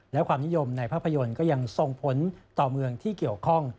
และความนิยมในภาพยนตร์ก็ยังส่งผลต่อเมืองที่เกี่ยวข้อง